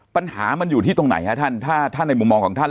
ปัญหามันอยู่ที่ตรงไหนฮะท่านถ้าในมุมมองของท่าน